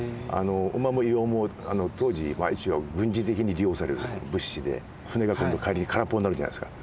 馬も硫黄も当時一応軍事的に利用される物資で船が今度帰りに空っぽになるじゃないですか。